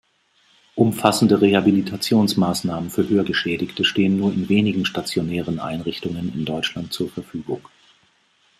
Umfassende Rehabilitationsmaßnahmen für Hörgeschädigte stehen nur in wenigen stationären Einrichtungen in Deutschland zur Verfügung.